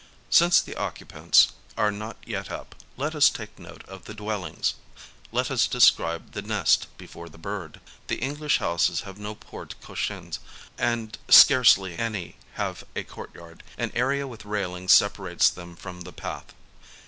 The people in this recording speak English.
Since the occupants are not yet up, let us take note of the dwellings : let us describe the nest before the bird. The English houses have no portes cochins and scarcely A DAY IN LONDON 47 any have a courtyard : an area with railings separates them from the path.